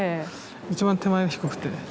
一番手前が低くて。